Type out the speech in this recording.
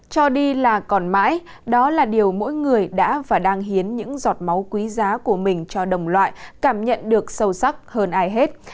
cho đi là còn mãi đó là điều mỗi người đã và đang hiến những giọt máu quý giá của mình cho đồng loại cảm nhận được sâu sắc hơn ai hết